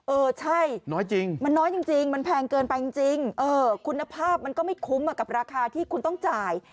เออใช่จริงมันน้อยจริงมันแพงเกินไปจริงคุณภาพมันก็ไม่คุ้มกับราคาที่คุณต้องจ่าย